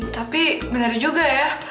tapi bener juga ya